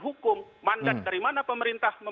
hukum mandat dari mana pemerintah